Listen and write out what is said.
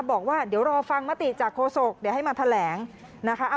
บอกว่าเดี๋ยวรอฟังมติจากโฆษกเดี๋ยวให้มาแถลงนะคะ